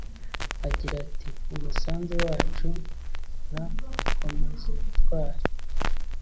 agira ati umusanzu wacu nka komezubutwari